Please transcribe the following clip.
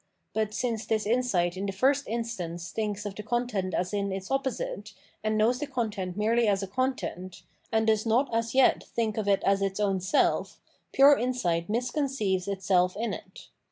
But since this insight in the first instance thinks of the content as in its opposite, and knows the content merely as a content, and does not as yet think of it as its owm self, pure insight misconceives itself in it.